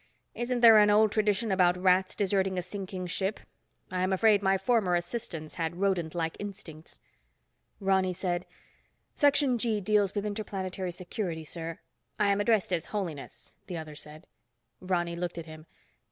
Isn't there an old tradition about rats deserting a sinking ship? I am afraid my former assistants had rodentlike instincts." Ronny said, "Section G deals with Interplanetary Security, sir—" "I am addressed as Holiness," the other said. Ronny looked at him.